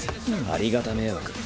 ありがた迷惑。